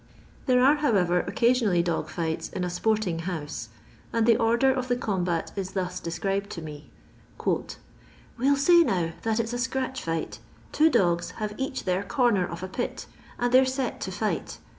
There are, however, occasionally dog fights in a sporting house, and the order of the combat is thus described to me :'* We '11 say now that it 's a scratch fight ; two dogs have each their comer of a pit, and they're set to fight.